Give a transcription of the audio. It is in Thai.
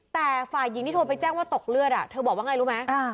แต่ฝ่ายหญิงที่โทรไปแจ้งว่าตกเลือดเธอบอกว่าไงรู้ไหม